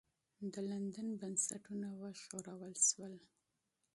د لندن بنسټونه وښورول سول.